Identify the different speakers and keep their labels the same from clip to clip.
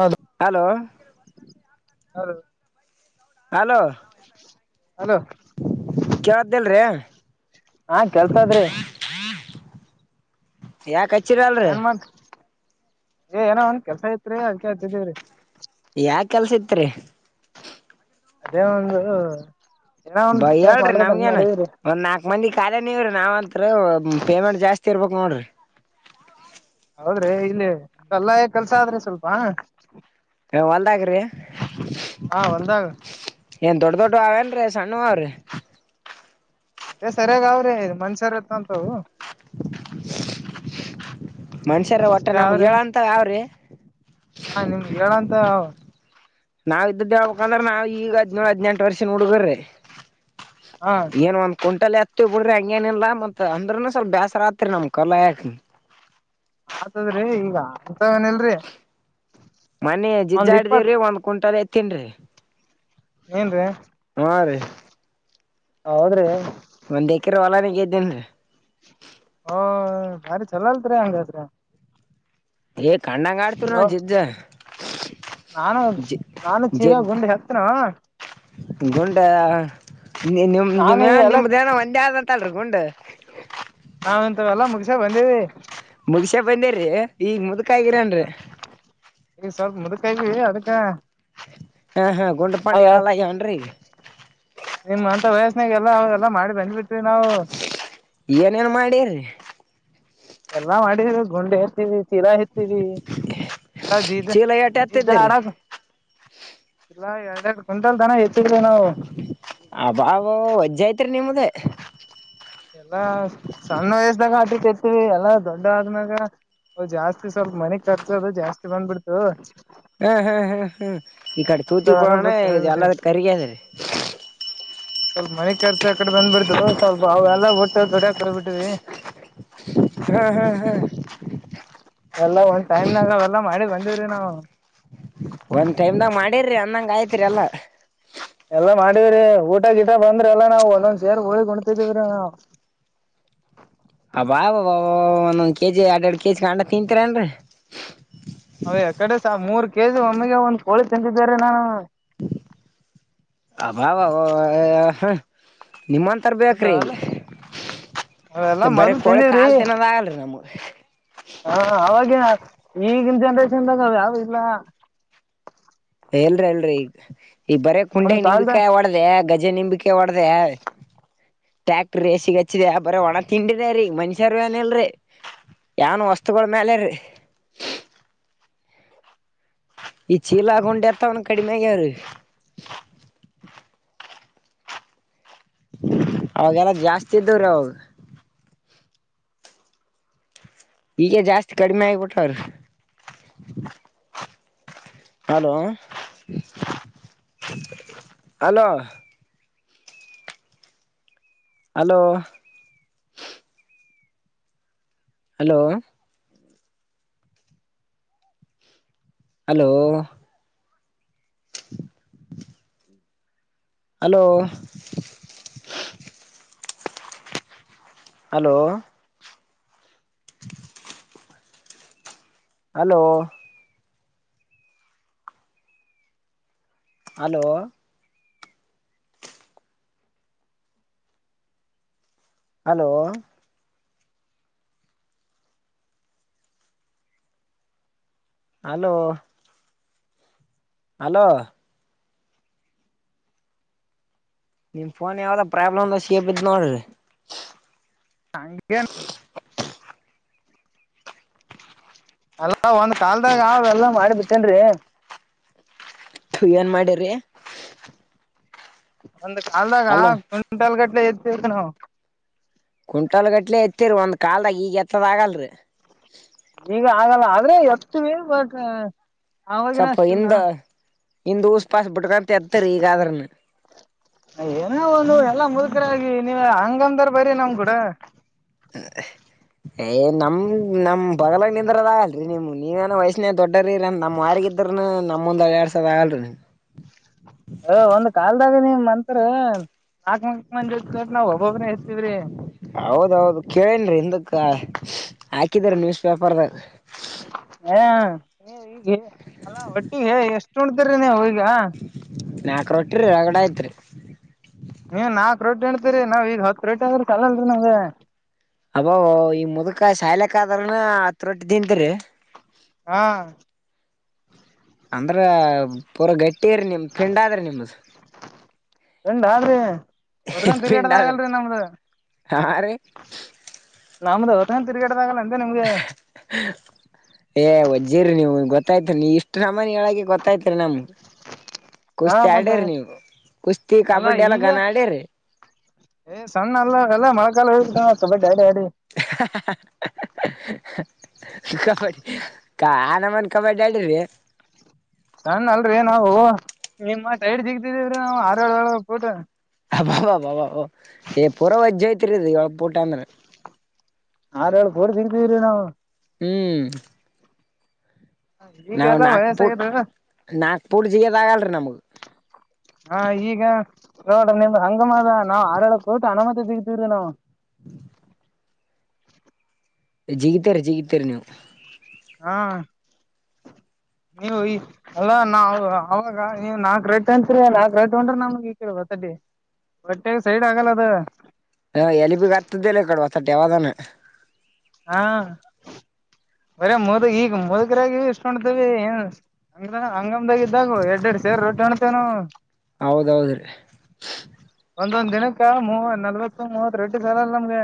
Speaker 1: ಹೌದು
Speaker 2: hello
Speaker 1: [unintelligible]
Speaker 2: hello
Speaker 1: hello
Speaker 2: ಕೇಳ್ದಲ್ರಿೀ
Speaker 1: ಹಾ ಕೇಳುತದ್ರಿ
Speaker 2: ಯಾಕ [unintelligible]
Speaker 1: ಏನ್ ಮಾಡ್ ಏನೋ ಒಂದ ಕೆಲ್ಸ ಇತ್ರಿ ಅದಿಕ್ಕೆ ಹಚ್ಚಿದ್ದೀವ್ರೀ
Speaker 2: ಯಾ ಕೆಲ್ಸ ಇತ್ರಿ.
Speaker 1: ಅದೇ ಒಂದು ಏನೋ ಒಂದ್
Speaker 2: ಬ
Speaker 1: ಬಿಸ್ನೆಸ್
Speaker 2: ಹೇಳ್ರಿ
Speaker 1: ಮಾಡ್ಬೇಕಂತ
Speaker 2: ನಮ್ಗೇನ್
Speaker 1: ಮಾಡೀವ್ರಿ
Speaker 2: ಒಂದ್ ನಾಕ್ ಮಂದಿ ಕಾಲಿನೆವ್ರೀ ನಾವಂತ್ರೂ ಪೇಮೆಂಟ್ ಜಾಸ್ತಿ ಇರ್ಬೇಕ್ ನೋಡ್ರಿ.
Speaker 1: ಹೌದ್ರೆ ಇಲ್ಲಿ ಕಲ್ಲಾಗ ಕೆಲ್ಸ ಆದ್ರಿ ಸ್ವಲ್ಪ
Speaker 2: ಏ ಹೊಲ್ದಗ್ರಿ
Speaker 1: ಹೊಲ್ದಾಗ
Speaker 2: ಏನ್ ದೊಡ್ಡ ದೊಡ್ಡ ಅವೇಲ್ರೀ ಸಣ್ಣುವವ್ರೀ
Speaker 1: ಅಟ್ಟೇ ಸರಿಯಾಗ ಅವ್ರಿ ಮನ್ಷ್ಯರೆತ್ತಂತವು
Speaker 2: ಮನ್ಷ್ಯರ ಒಟ್ಟ ನಮಗ್
Speaker 1: ಅವ್ರಿ
Speaker 2: ಏಳಂತಾವ್ ಆವ್ರಿ
Speaker 1: ಹಾ ನಿಮ್ಗ್ ಹೇಳಂತ
Speaker 2: ನಾವ್ ಇದ್ದದ್ದ ಹೇಳ್ಬೇಕ ಅಂದ್ರ ನಾವ್ ಈಗ ಹದ್ನೋಳ್ ಹದ್ನೆಂಟ ವರ್ಷದ್ ಹುಡುಗುರ್ರಿ.
Speaker 1: ಹಾ.
Speaker 2: ಕುಂಟಾಲ ಎತ್ತೀವ್ ಬುಡ್ರಿ ಹಂಗೇನಿಲ್ಲ ಮತ್ ಅಂದ್ರನು ಸ್ವಲ್ಪ ಬ್ಯಾಸರಾತ್ರಿ ನಮ್ಕಲ್ ಆಯಾಕ
Speaker 1: ಆತದ್ರಿ ಈಗ ಅಂತವೇನಿಲ್ರಿ.
Speaker 2: ಮನ ಜಿಜ್ಜಾಡ್ದೇವ್ರಿ ಒಂದ್ ಕುಂಟಾಲ್ ಎತ್ತೀನ್ರಿ
Speaker 1: ಏನ್ರೀ.
Speaker 2: ಹೂಂ ರೀ
Speaker 1: ಹೌದ್ರಿ
Speaker 2: ಒಂದ್ ಎಕರ್ ಹೊಲಾನ ಗೆದ್ದೇನ್ರೀ
Speaker 1: ಹೋ ಬಾರಿ ಚುಲೋಲ್ತ್ರಿ ಹಂಗಾದ್ರ
Speaker 2: ಏ ಕಣ್ಣಂಗ ಆಡ್ತಿವ್ರಿ ನಾವ್ ಜಿಜ್ಜ
Speaker 1: ನಾನು
Speaker 2: ಜಿ
Speaker 1: ನಾನು ಚೀಲ
Speaker 2: ಜಿದ್
Speaker 1: ಗುಂಡಿ ಹತ್ತನ
Speaker 2: ಗುಂಡ ನಿ ನಿಮ್
Speaker 1: ನಾನು ಈ
Speaker 2: ನಿಮ್ಮನ್ಯಾಗ
Speaker 1: ಎಲ್ಲ
Speaker 2: ನಿಮ್ದೇನ ಒಂದೆ ಆದಂತಲ್ರಿ ಗುಂಡ್
Speaker 1: ನಾವಿಂತಾವೆಲ್ಲ ಮುಗಸೆ ಬಂದೇವಿ.
Speaker 2: ಮುಗಸೇ ಬಂದೀರೀ ಈಗ ಮುದಕ್
Speaker 1: ಹಾ ಈಗ ಸ್ವಲ್ಪ ಮುದ್ಕ ಆಗೀವಿ ಅದಕ್ಕ
Speaker 2: ಹಾ ಹಾ ಗುಂಡ ಪಂಡ
Speaker 1: ಅದ
Speaker 2: ಏಳಲ್ಲಾಗ್ಯಾವೇನ್ರಿ ಈಗ
Speaker 1: ಗೆಲ್ಲ ಅವೆಲ್ಲಾ ಮಾಡಿ ಬಂದ್ಬಿಟ್ವಿ ನಾವು
Speaker 2: ಏನೇನ್ ಮಾಡಿರಿ
Speaker 1: ಎಲ್ಲಾ ಮಾಡಿದ್ವಿ ಗುಂಡ ಎತ್ತಿವಿ ಚೀಲಾ ಎತ್ತಿದ್ವಿ ಜೀಜಾ
Speaker 2: ಚೀಲ ಏಟ
Speaker 1: ಜಿದ್ದ್ನ
Speaker 2: ಎತ್ತಿದ್ರಿ
Speaker 1: ಆಡಕ ಚೀಲಾ ಎರಡ್ ಎರಡು ಕ್ವಿಂಟಲ್ ದನ ಎತ್ತಿದ್ವಿ ನಾವು
Speaker 2: ಅಬಾಬ ವಜ್ಜ ಐತ್ರಿ ನಿಮ್ದ
Speaker 1: ಎಲ್ಲಾ ಸಣ್ಣ ವಯಸ್ದಾಗ ಆಟಾಟೆತ್ತಿವಿ ಎಲ್ಲಾ ದೊಡ್ಡ ಆದ್ಮ್ಯಾಗ ಹಾ ಜಾಸ್ತಿ ಸ್ವಲ್ಪ ಮನೆಗ್ ಖರ್ಚದು ಜಾಸ್ತಿ ಬಂದ್ಬಿಡ್ತು.
Speaker 2: ಹ ಹ ಹ ಹ್ಮ ಈ ಕಡೆ ತೂತಿ
Speaker 1: ಅಂತವೆಲ್ಲ
Speaker 2: ಬರಣ
Speaker 1: ಬಿಟ್ಟು
Speaker 2: ಈಗ ಎಲ್ಲ
Speaker 1: ಹೋಗ್ಬಿಟ್ಟಿವಿ
Speaker 2: ಕರಿಗ್ಯದ
Speaker 1: ಸ್ವಲ್ಪ ಮನೆ ಖರ್ಚು ಆ ಕಡೆ ಬಂದ್ಬಿಡ್ತು ಸ್ವಲ್ಪ ಅವಾಗೆಲ್ಲ ಬಿಟ್ಟ ದುಡ್ಯಾಕ್ಹೋಗ್ಬಿಟ್ವಿ
Speaker 2: ಹಾ ಹಾ ಹ.
Speaker 1: ಎಲ್ಲಾ ಒಂದ್ ಟೈಮ್ನಾಗ ಅವೆಲ್ಲಾ ಮಾಡಿ ಬಂದಿವ್ರಿ ನಾವು
Speaker 2: ಒಂದ್ ಟೈಮ್ದಾಗ ಮಾಡಿರ್ರಿ ಅಂದಂಗ ಆಯ್ತ್ರಿ ಎಲ್ಲಾ
Speaker 1: ಎಲ್ಲಾ ಮಾಡಿವ್ರೀ ಊಟ ಗಿಟ ಬಂದ್ರ ಎಲ್ಲ ನಾವು ಒಂದೊಂದ್ ಸೇರ್ ಹೋಗಿ ಉಣ್ತಿದ್ವಿ ರಿ ನಾವ್ [inaudible]
Speaker 2: ಅಬಾಬಬಬಬಬ ಒಂದೊಂದ್ ಕೆಜಿ ಎರಡ್ ಎರಡು ಕೆಜಿ ಅಂಡ ತಿಂತಿರೇನ್ರೀ
Speaker 1: ಅವ ಯಾ ಕಡೆ ಸಾ ಮೂರ್ ಕೆಜಿ ಒಮ್ಮೆಗೆ ಒಂದ್ ಕೋಳಿ ತಿಂತಿದ್ವಿ‌ ರೀ ನಾವ
Speaker 2: ಅಬಾಬಬಬಬ ಹ ನಿಮ್ಮಂತರ್ ಬೇಕ್ರೀ
Speaker 1: ಅಂತವಲ್ಲ ಅವೆಲ್ಲಾ ಮದ್ಲು ತಿಂದೇವ್ರಿ
Speaker 2: ತಿನ್ನೋದಾಗಲ್ರಿ ನಮ್ಗ
Speaker 1: [inaudible] ಹ ಅವಾಗೇನ ಈಗಿನ್ ಜನ್ರೇಷನ್ದಾಗ್ ಅವ್ಯಾವು ಇಲ್ಲ
Speaker 2: ಎ ಇಲ್ರಿ ಇಲ್ರಿ ಈಗ್ ಈಗ್ ಬರೆ
Speaker 1: ನಮ್
Speaker 2: ಕುಂಡ್ಯಾಗ
Speaker 1: ಕಾಲ್ದ
Speaker 2: ನಿಂಬಿಕಾಯಿ ಒಡ್ದ್ಯಾ ಗಜ ನಿಂಬಿಕಾ ಒಡ್ದ್ಯಾ ಟ್ರ್ಯಾಕ್ಟರ್ ರೇಸಿಗೆ ಹಚ್ಚಿದ್ಯಾ ಬರೆ ಒಣ ತಿಂಡಿದೆ ರೀ ಮನ್ಷ್ಯರು ಏನ ಇಲ್ರಿ ಏನ್ ವಸ್ತುಗಳ ಮ್ಯಾ ಕಲರು
Speaker 1: [inaudible]
Speaker 2: ಈ ಚೀಲ ಆಗೊಂಡ ಎತ ಒನು ಕಡಿಮೆೆಗೆಾರ [inaudible] ಅವಾಗೆಲ್ಲ ಜಾಸ್ತಿ ಇದ್ದವ್ರ ಅವ ಈಗೆ ಜಾಸ್ತಿ ಕಡಿಮೆ ಆಗ್ಬಿಟವ್ರ [inaudible] hello [inaudible] hello hello hello hello [inaudible] hello hello hello hello hello hello hello ನಿಮ್ ಫೋನ್ ಯಾವ್ದ ಪ್ರಾಬ್ಲಮ್ಂದ ಸೇಪ್ ಇದ ನೋಡ್ರಿ
Speaker 1: ಹೇ ಅಲ್ಲ ಒಂದ್ ಕಾಲ್ದಾಗ ಅವ ಎಲ್ಲ ಮಾಡಿ ಬಿಿತ್ತೇನ್ೀ
Speaker 2: ಏನ್ ಮಾಡಿ್ರಿ
Speaker 1: ಒಂದು್ ಕಾಲ್ದಾಗ ಕ್ವಿಂಟಲ್ ಗಟ್ಲೆ ಇರ್ತಿತಿ ನಾವು
Speaker 2: ಕುಂಟಾಲ್ ಗಟ್ಲೆ ಎತ್ತೇರಿೀ ಒಂದ್ ಕಾಲ್ದಾಗ ಈಗ ಎತ್ತದ ಆಗಲ್ರಿ
Speaker 1: ಈಗ ಆಗಲ್ಲ ಆದ್ರೆ ಎತ್ತು ವ
Speaker 2: ಸ್ವಲ್ಪ ಹಿಂದ ಹಿಂದ ಊಸ್ ಪಾಸ್ ಬಿಟ್ಕಂತ ಎರ್ತ್ತರಿ ಈಗಾದ್ರನು
Speaker 1: ಏನ ಒಂದು ಎಲ್ಲಾ ಮುದುಕರ ಆಗ ನೀವ ಹಂಗಂದಾರ ಬರಿ ನಮ್ ಕೂಡ
Speaker 2: ಹ್ಮ ಏ್ ನಮ್ ನಮ್ ಬಗಲಗ್ ನಿಂದ್ರದ ಆಗಲ್ರಿ ನಿಮ್ ನೀವೇನೋ ವಯಸ್ಸನ ದೊಡ್ಡ್ರೀ ನಮ್ಮ್ರಿಗೆ ಇದ್ರ ನಮ್ಮೊಂದ ಎರಡ್ ಸಾವರ ಆಗಲ್ರಿ
Speaker 1: [inaudible] ಒಂದ್ ಕಾಲ್ದಾಗ ನಿಮ ಮಂತ್ರ ದ ನಾವ್ ಒಬೊಬ್ನ ಇರ್ತತಿವ್ರೀ
Speaker 2: ಹೌದೌದು ಕೇಳೇನ್ ರೀ ಎದಕ್ ಹಾಕಿದ್ರ ನ್ಯೂಸ್ ಪೇಪರ್ದಾಗ
Speaker 1: ಹ ಈ ಅಲ್ಲ ಒಟ್ಟಿಗೆ ಎಷ್ಟು ಉಣತಿರಿ ನೀವು ಹ
Speaker 2: ನಾಕ ಹೊಟ್ರರಿ ಹೊರಗಡೆ ಆಯ್ತ್ರಿ
Speaker 1: ರೋಟ್ ಹಣ್ತಿರಿ ನಾವವು ಈಗ ಹೊತ್ ರೋಟ್ಟಿ ಅ ಆದ್ರೆ ಕಲ್ಲ್ರಿ ನಾವ್
Speaker 2: ಅಬ ಈ ಮುದಕ ಶಾಯಿಲೆಕ್ ಆದ್ರನ ಹತ್ರ ರೊಟ್ಟ ತಿಂತರಿ
Speaker 1: ಹಾ
Speaker 2: ಅಂದ್ರ ಪೂರ ಗಟ್ಟಿರಿ ನಿಮ ಪಿಂಡಾದ್ರಿ ನಿಮ್ದ
Speaker 1: ಎಂಡ ಅ ರೀ ಹೊದಕ
Speaker 2: ಪಿಂಡ
Speaker 1: ತಿರ್ಗಾಡದ
Speaker 2: ಆದ್ರಿ
Speaker 1: ಆಗಲ್ರಿ ನಮ್ದ
Speaker 2: ಹಾ ರೀ
Speaker 1: ನಮ್ದ ಹೊರ್ಕ ತಿರ್ಗಾ
Speaker 2: ಏ ವಜ್ಜೀರರಿ ನೀವು ಗೊತ್ತ ಗೊತ್ತಾಯ್ತ ನೀ ಇಷ್ಟು ಸಾಮಾನನ್ಳಗೆ ಗೊತ್ತಾಯ್ತರಿ ನಮಗೆ
Speaker 1: ಹಾ
Speaker 2: ಕುಸ್ತಿ
Speaker 1: ಮತ್ತ
Speaker 2: ಆಡ್ಯ್ರಿ ನೀವು ಕುಸ್ತಿ ಕಬಡ್ಡಿ ಎಲ್ಲ ಘನ ಆಡ್ಯ್ರಿ
Speaker 1: ಏನ್ ಸಣ್ಣ ಅಲ್ಲ ಎಲ್ಲ ಮಳೆ ಕಾಲ ಹೋಗ
Speaker 2: ಸ ಕಬಡಿ ಕ ಆನಮನ್ ಕಬಡ್ಡಿ ಆಡ್ರಿ
Speaker 1: ಸಣ್ಣ ಅಲ್ರರಿ ನಾವು ನಿಮ್ಮ ಟೈಡ್ ಸಿಗ್ತಿದೀವ್ರೀ ನಾ್ ಆರಳ ಪೂಟ
Speaker 2: ಬಬಬಬ ಪೂರ ವಜ್ಜೋಯ್ತಿರದಳ ಪುಟ ಅಂದ್ರೆ
Speaker 1: ಹ್ರ ಹೇಳ ಕೂಡಿ ಸಿಗತವ್ರೀ ನಾವು
Speaker 2: ಹ್ಮ್ ನಾವವು
Speaker 1: ಈಗೆಲ್ಲಾ
Speaker 2: ನಾಕ್ಪೂರ್
Speaker 1: ವಯಸ್ಸಾಗಿದ
Speaker 2: ನಾಕ್ಪೂರ್ ಜಿಗದ ಆಗಲ್ರಿ ನಮಗ
Speaker 1: ಹಾ ಈಗ ನೋಡ್ರ ನಿಮ್ದ ಹಂಗಮದ ನಾವ್ ಆಡಳ ಕೊಟ್ಟು ಅನುಮತ ದಗತಿವ್ರಿ ನಾವವು
Speaker 2: ಹ್ಮ ಜಿಗಿತಾರ ಜಿಗಿತರಿ ನೀವು
Speaker 1: ಹಾ ನೀವು ಈ ಅಲ್ಲ ನಾ ಅವಾಗ ನೀವ್ ನಾ ರೇಟ್ ಅತ್ರಿ ನಾ ರೇಟ್ ಹೊಂದ್ರ ನಮಗೆ ಈ ಕೇಳ ಗೊತ್ತ ಹೊಟ್ಟೆ ಸೈಡ್ ಆಗಲ್ಲ ಅದ
Speaker 2: ಹ ಎಲಿಪಿಿಗೆ ಹತ್ತದಲ್ಲ ಇಕಡೆ ಹೊಸಟ್ಟ ಯಾವದಾನ
Speaker 1: ಹಾ ಬರ ಮುದ ಈಗ ಮುದಗರಾಗಿ ಇಷ್ಟಕೊಂಡತವಿ ಏನ್ ಮುಂದಾಗ ಇದಿದ್ದಾಗ ಎಡ್ ಎರಡು ಸೇರಿ ರೊಟ್ಟಿ ಅಾಣತೇನು
Speaker 2: ಹೌದೌದ್ರಿ
Speaker 1: ಒಂದೊಂದ್ದಿನಕ್ಕ ಮೂವ ನಲ್ವತ್ತು ಮೂವತ್ ರಟ್ಟು ಸಾಲಲ್ ನಮ್ಗೆ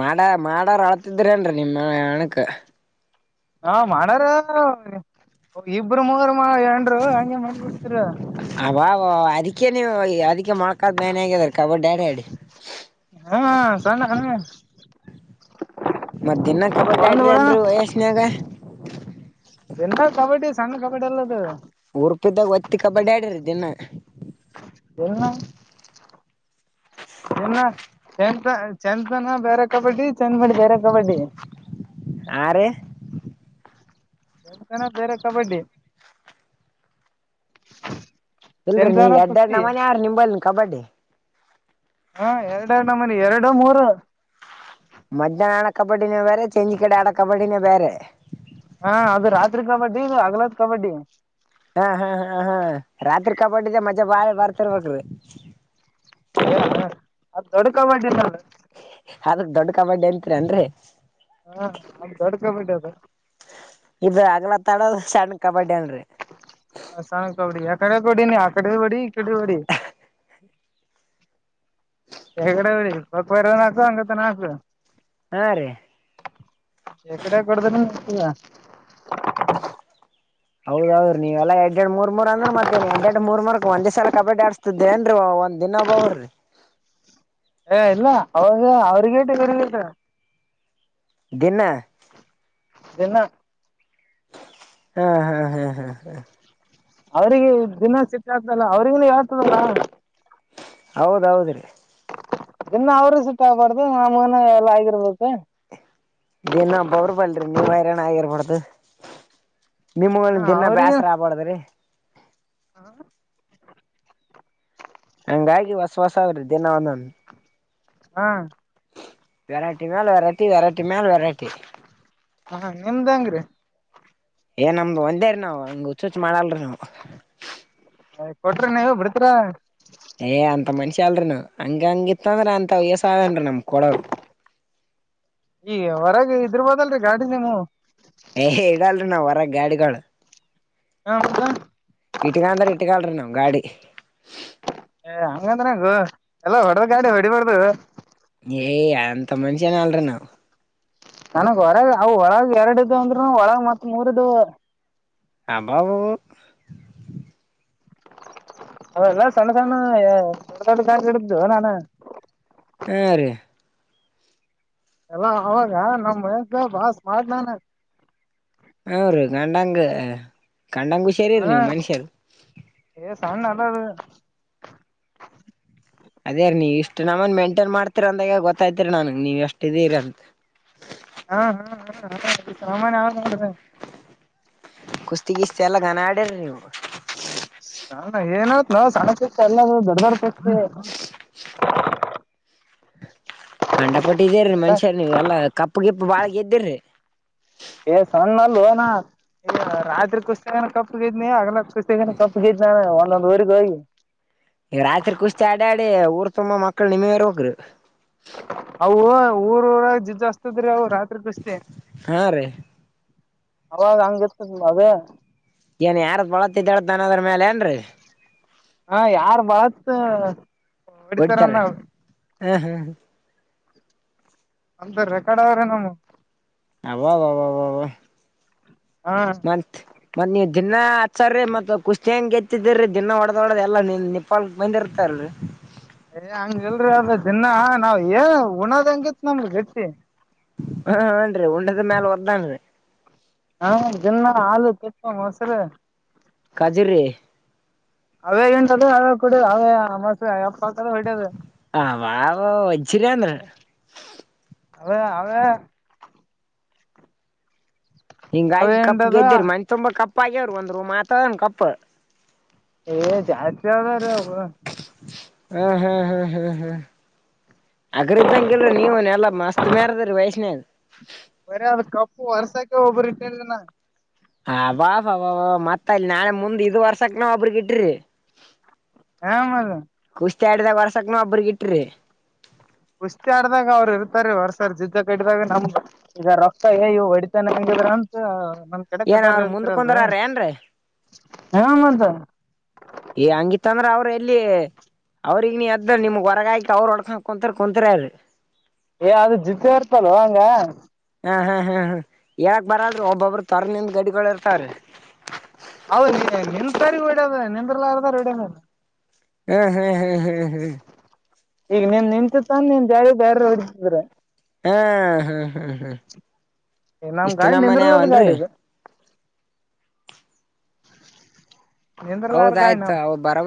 Speaker 2: ಮಾಡ ಮಾಡಾರ ಆಳ್ತಿದ್ರೇನ್ರಿ ನಿಮ್ಮ ಹಣಕ್
Speaker 1: ಹಾ ಮಾಡಾರ ಇಬರು ಮೂರು ನ್ರು ಹಗೆ ಮಾಡ ಬಿಟ್ಟತರ [unintelligible]
Speaker 2: ಅವಾವ ಅದಕ್ಕೆ ನೀವು ಅದಕ್ಕೆ ಮೊಳಕಾದ ಮೇನೆ ಆಗದಾರೆ ಕಬಡ್ಡಿ ಆಡ್ಯಾಡಿ
Speaker 1: ಹಾ ಸಣ ಹ
Speaker 2: ಮತ್ತ ಇನ್ನ ಕಬಡ್ಡಿ ಆಡ್ರಿ ಅನ್ರಿ ವಯಸ್ನ್ಯಾಗ
Speaker 1: ಎನ್ನ ಕಬಡ್ಡಿ ಸಂಣ್ಣ ಕಬಡ್ಡಿ ಎಲ್ಲದ
Speaker 2: ರುಪಿದ್ದಾಗ ಒತ್ತಿ ಕಬಡ್ಡಿ ಆಡಿರ ದಿನ [unintelligible]
Speaker 1: ಎ [unintelligible] ಇನ್ನ ಚಾಂಪ ಚಾಂಪಿಯನ್ ಬೇರೆ ಕಬಡ್ಡಿ ಚೆಂದ ಮಾಡಿದಾರ ಕಬಡ್ಡಿ
Speaker 2: ಆ
Speaker 1: ಬ ಬೇರೆ ಕಬಡ್ಡಿ ಚಂತನ ಕುಸ್ತಿ
Speaker 2: [inaudible]
Speaker 1: ಹಾ ಎರಡು ಎರಡು ಎರಡು ಮೂರ [unintelligible]
Speaker 2: ಮಜ್ಯಾಹನ ಆಡೋ ಕಬಡ್ಡಿನೇ ಬೇರೆ ಚಂಜಿ ಕಡೆ ಆಡೋ ಕಬಡ್ಡಿನೇ ಬೇರೆ
Speaker 1: ಹಾ ಅದು ರಾತ್ರಿ ಕಬಡ್ಡಿ ಇದು ಹಗ್ಲಾದ ಕಬಡ್ಡಿ
Speaker 2: ಹಾ ಹಾ ಹಾ ಹಾ ರಾತ್ರಿ ಕಬಡ್ಡಿದೆ ಮಜ್ಜೆ ಬಾಳ ಬರ್ತಿರ್ಬೇಕ್ರೀ
Speaker 1: ಹ ಅದ ತೊಡ್ಕ ಮಾಡಿಲ್ಲ
Speaker 2: ಅದ್ರ ದೊಡ್ ಕಬಡ್ಡಿ ಅಂತರಿ ಅಂದ್ರೆ
Speaker 1: ಹಾ ಅದು ದೊಡ್ ಕಬಿ ಅದ [unintelligible]
Speaker 2: ತಡೋ ಸಣ್ಣ ಕಬಡ್ಡಿ ಅನ್ರಿ
Speaker 1: ಅಸಾನ ಕಬಡಿ ಆ ಕಡೆ ಕೌಡಿ ನೀ ಆ ಕಡೆ ಬಡಿ ಇ ಕಡೆ ಬಡಿ [unintelligible] ಹೆಗಡೆ ಅವ ಪಕ್ವರ ನಕ ಅಂಗ ನಾಕ
Speaker 2: ಹಾ ರೀ
Speaker 1: ಶಕಡೆ ಕಡದನೆತಾ [unintelligible] [inaudible]
Speaker 2: ಹೌದೌ್ರ್ ನೀವವೆಲ್ಲ ಎಡ್ ಎರಡು ಮೂರ್ ಮೂರಂದ್ರ ಮತ್ತೇನ್ ಎಡ್ ಎರಡ್ ಮೂರ್ ಮೂರಕ್ ಒಂದೇ ಸಲ ಕಬಡ್ಡಿ ಆಡ್ಸ್ತಿದ್ದೆ ಅನ್ರ ಒ [unintelligible] ದಿನ ಬಹರ್ರಿ [unintelligible]
Speaker 1: ಏ ಇಲ್ಲ ಅವಾಗ ಅವ್ರಗೇಟ ಇ್ರಗೇಟ [unintelligible]
Speaker 2: ದನ್ನ [unintelligible]
Speaker 1: ಇದನ್ನ
Speaker 2: ಹಾ ಹಾ ಹಾ ಹಾ ಹ
Speaker 1: ಅವ್ರಿಗೆ ದಿನ ಸಿಟ್ಟ ಆಗ್ತಲ್ಲ ಅವ್ರಗನ ಆಗ್ತದಲ್ಲ [unintelligible]
Speaker 2: ಹೌದೌದ್ರೀ
Speaker 1: ಇನ್ನು ಅವ್ರೂ ಸುಟ್ಟಾಗಬಾರ್ದು ನಮಗನ ಎಲ್ಲ ಆಗಿರ್ಬೇಕು
Speaker 2: ಇದೇನು ಹಬ್ಬ ಅವ್ರ ಬಲ್ರರಿ ನೀವ ಹೈರಾಣ ಆಗಿರ್ಬಡ್ದು ನಿಮ್ಮ
Speaker 1: ಹ
Speaker 2: ದಿನ
Speaker 1: ಅವ್ರಿಗೆ
Speaker 2: ಬೇಾಸರ ಆಬಾಾರ್ದ್ರಿ [unintelligible] ಹಂಗಾಗಿ ಹೊಸ ಹೊಸ ಅವ್ರಿ ದಿನ ಒಂದನ್
Speaker 1: ಹಾ
Speaker 2: ವೆರೈಟಿ ಮೇಲೆ ವೆರೈಟಿ ವೆರೈಟಿ ಮ್ಯಾಲ ವೆರೈಟಿ
Speaker 1: ಹಾ ನಿಮ್ದಂಗ್ರೀ
Speaker 2: ಏ ನಮ್ದು ಒಂದೇರಿೀ ನಾವ್ ಹಿಂಗ್ ಹುಚ್ಚುಚ್ಚ ಮಾಡಲ್ರಿ ನಾವ
Speaker 1: ನಯ ಕೊಟ್ರಿ ನೀವ ಬಿಡ್ತೀರ
Speaker 2: ಏ್ ಅಂತ ಮನಷಿ ಅಲ್ಲರಿ ನವು ಹಂಗ ಹಂಗಿತ್ತಂದ್ರೀ ಅಂತ ಅಸದನ್ೀ ನಮ್ ಕೊೂಡ
Speaker 1: ಈಗ ಹೊರಗೆ ಇದ್ರಬೋದಲ್ರರಿ ಗಾಡಿಿನ ನೀವು
Speaker 2: ಏ ಇಡಲ್ರಿ ನಾವ್ ಗಾಡಿಗಳು
Speaker 1: ಹಾ ಹೌದಾ
Speaker 2: ವೀಟ್ಟ ಕಾಂಂತ್ರ ಇಟ್ಟ ಕಾಳ್ರ ನವು ಗಾಡಿ
Speaker 1: ಹಂಗಂದ ನಂಗು ಎಲ್ಲ ಹೊಡೆದ ಗಾಡಿ ಹೊಡಿಬಾರ್ದು
Speaker 2: ಏಯ್ ಎಂತ ಮಷ ಅನ ಅಲ್ಲರಿ ನಾವು
Speaker 1: ನನಗ್ ಹೊರಗ ಅವು ಒಳಗ ಎರಡದು ಅಂದ್ರರು ಒಳಗ ಮತ್ ಮೂರ್ದು
Speaker 2: ಹಬಬು
Speaker 1: ಅವಲ್ಲ ಸಣ್ಣ ಸಣ್ಣ ಸ ಇಡ್ದ ನಾನು
Speaker 2: ಹಾ ರೀ
Speaker 1: ಎಲ್ಲ ಅವಾಗ ನಮ್ ಮಗ ಬಾಸ್ ಮಾಡ್ಲಾನ
Speaker 2: ಹ್ರೀ ಗಂಡಂಗ ಗಂಡಂಗ ಹುಷಾರಿರಿ ನೀವು ಮನ್ಷ್ಯಲ್
Speaker 1: ಸಣ ನಲ್ಲ
Speaker 2: ಅದೇೀ ನೀವ್ ಇಷ್ಟ್ ನಮ್ಮನ್ ಮೇಂಟೈನ್ ಮಾಡ್ತಿೀರ ಅಂದಾಗ ಗೊತ್ತಾಯ್ತಿರಿ ನಾನ್ ನೀವ್ ಎಷ್ಟ ಇದೀರ ಅಂತ
Speaker 1: ಹಾ ಹ್ಮ ಹ್ಮ ಹಾ ಈ ಸಾಮಾನ್ಯ ಆಗ್ ನಡಿದೆ
Speaker 2: ಕುಸ್ತಿ ಕ್ತಿ ಎಲ್ಲ ಘನ ಆಡ್ರಿ ನೀವು
Speaker 1: ಸ ಏನಯತ್ ನಾವ ಸಣ ಎಲ್ಲ ದಡ್ ಬರ್
Speaker 2: ಕಂಡ ಪಟ್ಟಿದೀರರಿ
Speaker 1: ಎಲ್ಲ
Speaker 2: ಮನುಷ್ಯರ್ ನೀ್ ಎಲ್ಲಾ ಕಪ್ಪು ಗಿಪ್ಪು ಬಾಳ ಗೆದ್ದಿರ್ರಿ
Speaker 1: ಏ ಸಣ್ಣ ಅಲ್ಲನಾ ರಾತ್ರಿ ಕುುಸ್ತಿನ ಕಪ್ಪುಗಿದ್ನಿ ಹಗ್ಲ ಕುಸ್ತಿ ಕಪ್ಪುಗಿದನಿ ಒಂದೊಂದು [unintelligible]
Speaker 2: ಈಗ ರಾತ್ರಿ ಕುಸ್ತಿ ಆಡ ಆಡಿ ಊರ್ ತುಂಬಾ ಮಕ್ಕಳು ನಿಮಗ [unintelligible]
Speaker 1: ಅ ಊರ ಊರಾಗ ಜಿಜ್ಸ್ತದ್ರೀ ಅವ
Speaker 2: ಹಾ ರೀ
Speaker 1: ಅವಾಗ ಹಂಗಿರ್ತದ ಅದ
Speaker 2: ಏನ್ ಯಾರ ಬಳತ್ತೇಳ್ತಾನ ಅದ್ರ ಮೇಲೆ ಏನ್ರರಿ
Speaker 1: ಹ ಯಾರ್ ಬಾತ್ ಹೊಡಿತಾರ ನ್
Speaker 2: ಹ್ಮ್ ಹ್ಮ್ ಹ
Speaker 1: ಅಂತ ರೆಕಾರ್ಡ್ ಅವ್ರೆ ನಮ್ಮ
Speaker 2: ಅಬಬ
Speaker 1: ಹಾ
Speaker 2: ಮತ್ ಮತ್ತ್ ನೀವ್ ದಿನಾ ಹತ್ಸರರಿ ಮತ್ ಕುಸ್ತಿ ಹಂಗ ಎತ್ತಿದಿರಿ ದಿನ ಒಡೆದ ಹೊಡದ ಎಲ್ಲ ನಿಪಾ ಬಂದೆ ಇರ್ತಾರಲ್ರಿ
Speaker 1: ಏ ಹಂಗಲ್ರಿ ಅದ ದಿನ ನಾವ್ ಏ ಉಣದ್ ಹಂಗತ್ ನಮ್ಗ ಗಟ್ಟಿ
Speaker 2: ಹ ಹನ್ರಿ ಉಂಡದ ಮ್ಯಾಲ ಒದ್ದನ್ರಿ
Speaker 1: ಹಾ ಜನ್ನ ಆಲು ಅವರ ತುಪ್ಪ ಮೊಸರು
Speaker 2: ಕಜರ್ರಿ
Speaker 1: ಅವೇ ಎಂಟದ ಅವೇ ಕುಡದು ಅವೇ ಮಸ್ [unintelligible] ಹಾಕದ ಹೊಡ್ಯದು
Speaker 2: ಕಿರೇಂದ್ರ
Speaker 1: ಅವೆ ಅವೇ ಅವೇ
Speaker 2: ಹಿಂಗಾಗಿ ಕಪ್ಪು
Speaker 1: ಎಂಡದ
Speaker 2: ಗೆದ್ದೇರರಿ ಮನ್ ತುಂಬ ಕಪ್ಪ ಆಗ್ಯವ್ರಿ ಒಂದ್ರು ಮಾತ್ದನ್ ಕಪ್ಪ
Speaker 1: ಏ ಜಾಸ್ತಿ ಯದಾರ ಅವೋಗ
Speaker 2: ಹಾ ಹಾ ಹಾ ಹಾ ಹಾ ಅಗ್ರಿದ್ದಂಗ ಇಲ್ ನೀವನ್ ಎಲ್ಲಾ ಮಸ್ತ್ ಮ್ಯಾರದರಿ ವಯಸ್ಸಿನಾಗ
Speaker 1: ಬರಿ ಅ ಕಪ್ಪು ವರ್ಸಕ್ಕೆ ಒಬ್ಬರುರಿ ಇಟ್ಟನಾ
Speaker 2: [unintelligible] ಮತ್ತ ಇಲ್ಲಿ ನಾಳೆ ಮುಂದೆ ಇದು ವರ್ಷಕ್ಕೆನ ಒಬ್ಬರು ಇಟ್ಟಿರಿ
Speaker 1: ಹಾ ಮಾಡ
Speaker 2: ಡ್ದೇ ವರ್ಷಕ್ಕನುೂ ಒಬ್ಬ್ರಗ ಇಟ್ರಿ
Speaker 1: ಕುಷತಿ ಆಡ್ದಾಗ ಅವ್ರು ಇರ್ತಾರೆ ಹೊರ್ಸರ್ ಜುದ್ದ ಕಟ್ಟ್ದಾಗ ನಮ್ ಈಗ ರೊಕ್ಕ ಇವು ಹೊಡಿತಾನ ಕ [unintelligible] ನಮ್ ಕಡೆ
Speaker 2: ಏನ್
Speaker 1: ಕಟ್ಟಾರ
Speaker 2: ಅವ್ರ ಮುಂದಕ್
Speaker 1: ಇರ್ತೀರಲ್ರಿ
Speaker 2: ಕುಂದರಾರ ಏನ್ರೀ
Speaker 1: ಆಮಂತ
Speaker 2: ಈ ಹಂಗಿತ್ತ ಅಂದ್ರ ಅವ್ರ ಎಲ್ಲಿ ಅವ್ರಗ್ ನೀ ಅದ್ದ ನಿಮಗ್ ಹೊರಗಾಕಿ ಅವ್ರರು ಹೊಡ್ಕೊಂಡ ಕುಂತರ್ ಕುಂತರರಿ
Speaker 1: ಏ ಅದ ಜಿದ್ದೆ ಇರ್ತಲ್ವಾ ಹಂಗ
Speaker 2: ಹ ಹಾ ಹಾ ಹಾ ಹೇಳಕ್ ಬರ್ರೆ ಒಬ್ಬೊಬ್ರು ತೊರೆದು ನಿಂತುಕೊಂಡಿರುತ್ತಾರೆ ಗಡಿ
Speaker 1: ಅವದು ನಿಂತಾರಿಗೆ ವಿಡ್ದ ನತ್ರಲ್ಲಾರದಾರ ವಿಡ
Speaker 2: ಹ್ಮ ಹಾ ಹಾ ಹಾ ಹ
Speaker 1: ಈಗ ನಿನ್ ನಿಂತ ತಾನ ನಿನ್ ದಾಳಿ ದಾರ ಹೊದ್ರ
Speaker 2: ಹ್ಮ್ ಹ್ಮ್ ಹ್ಮ್ ಹ್ಮ್
Speaker 1: ನಮ್
Speaker 2: ಇಷ್ಟ
Speaker 1: ಗಾಡಿ
Speaker 2: ನಮ್ಮನ್
Speaker 1: ನಿಂದ್ರಲಾರ
Speaker 2: ಯಾವನ್ರಿೀ
Speaker 1: ಗಾಡಿ ಇದು ನಿಂದ್ರಲಾರ
Speaker 2: ಹೌದ
Speaker 1: ಗಾಡಿ
Speaker 2: ಆಯ್ತು
Speaker 1: ನಮ್ದು
Speaker 2: ಬರಬರಿ